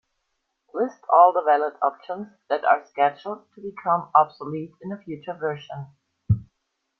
List all the valid options that are scheduled to become obsolete in a future version.